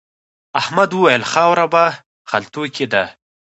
احمد وويل: خاوره په خلتو کې ده.